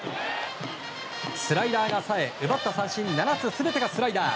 スライダーがさえ奪った三振７つ全てがスライダー。